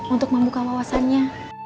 untuk membuka wawasannya